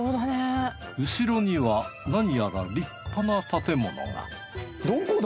後ろにはなにやら立派な建物がどこだ？